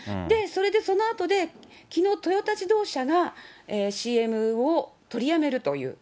それでそのあとで、きのう、トヨタ自動車がＣＭを取りやめるという。